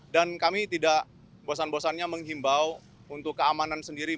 dan kami tidak bosan bosannya mengimbau untuk keamanan sendiri